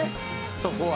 そこは。